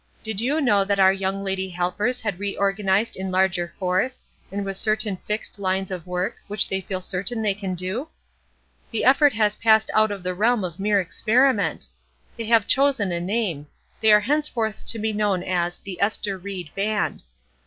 "Did you know that our young lady helpers had reorganized in larger force, and with certain fixed lines of work, which they feel certain they can do? "The effort has passed out of the realm of mere experiment. "They have chosen a name. They are henceforth to be known as THE ESTER RIED BAND.